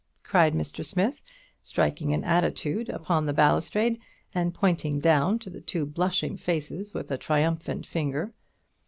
cried Mr. Smith, striking an attitude upon the balustrade, and pointing down to the two blushing faces with a triumphant finger.